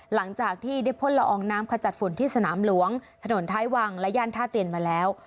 หลังจากที่ได้พ่นละอองน้ำขจัดฝุ่นที่สนามหลวงถนนท้ายวังและย่านท่าเตียนมาแล้ว